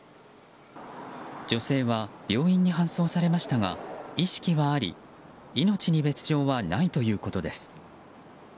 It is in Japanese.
女性は病院に搬送されましたが意識はあり命に別条はないということです。